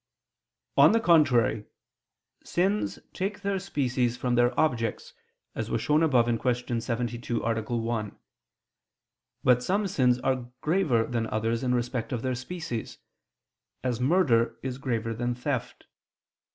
On the contrary, Sins take their species from their objects, as was shown above (Q. 72, A. 1). But some sins are graver than others in respect of their species, as murder is graver than theft.